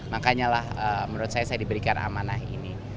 makanya lah menurut saya saya diberikan amanah ini